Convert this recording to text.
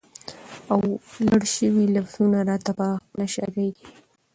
او لړ شوي لفظونه راته په خپله شاعرۍ کې